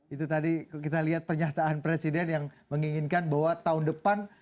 itu tadi kita lihat pernyataan presiden yang menginginkan bahwa tahun depan